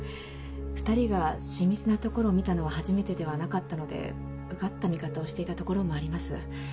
２人が親密なところを見たのは初めてではなかったのでうがった見方をしていたところもあります。